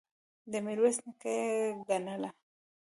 د میرویس نیکه یې ګڼله.